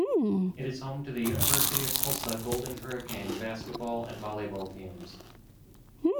It is home to the University of Tulsa Golden Hurricane basketball and volleyball teams.